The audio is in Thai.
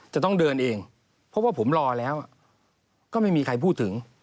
จะต้องเดินเองเพราะว่าผมรอแล้วก็ไม่มีใครพูดถึง